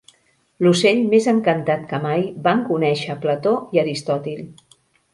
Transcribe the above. L'ocell més encantat que mai van conèixer Plató i Aristòtil.